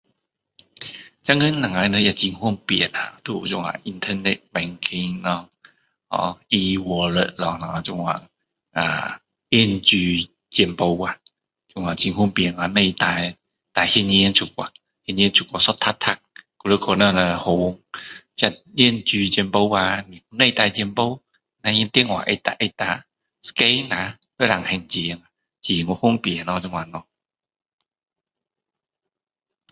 现今我们也很方便啦，都有这样 internet banking 咯，哦，e wallet 咯我们这样，啊，电子钱包啊，这样很方便啊，奈带现钱出去，现金出去一叠叠还要去那边护，这电子钱包啊奈带钱包，那电话按下按下 scan 啦就可以还钱，很方便咯这样咯